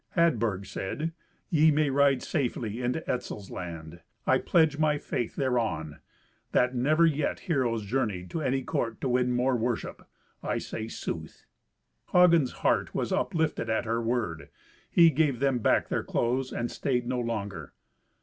Hadburg said, "Ye may ride safely into Etzel's land; I pledge my faith thereon, that never yet heroes journeyed to any court to win more worship. I say sooth." Hagen's heart was uplifted at her word; he gave them back their clothes and stayed no longer.